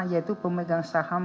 yaitu pemegang saham